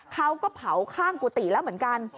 เขาก็เผาข้างกุฏิแล้วเหมือนกัน